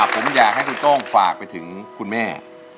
ผมอยากให้คุณโต้งฝากไปถึงคุณแม่